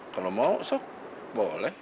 kalau mau boleh